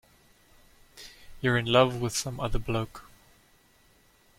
You're in love with some other bloke?